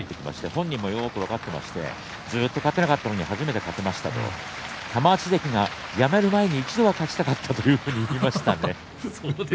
本人もよく分かっていましてずっと勝てなかったのに初めて勝てましたと玉鷲関が辞める前に一度勝ちたかったと言っていましたね。